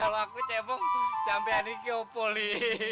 ya kalau aku cemong sampai anikyopoli